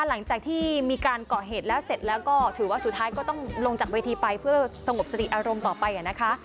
หลังจากที่มีการเกาะเหตุแล้วเสร็จแล้วก็ถือว่าสุดท้ายก็ต้องลงจากเวทีไปเพื่อสงบสติอารมณ์ต่อไปนะคะ